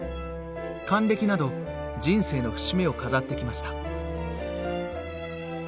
還暦など人生の節目を飾ってきました。